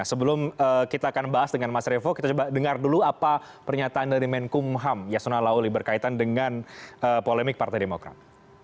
sebelum kita akan bahas dengan mas revo kita coba dengar dulu apa pernyataan dari menkumham yasona lauli berkaitan dengan polemik partai demokrat